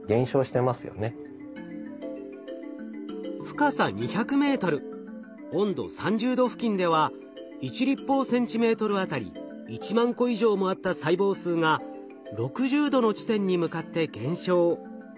深さ２００ｍ温度３０℃付近では１立方センチメートルあたり１万個以上もあった細胞数が６０℃の地点に向かって減少。